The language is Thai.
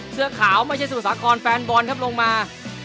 เสื้อขาวไม่ใช่สมุทรสาครแฟนบอลครับลงมา